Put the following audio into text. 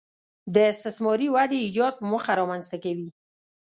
د استثماري ودې ایجاد په موخه رامنځته کوي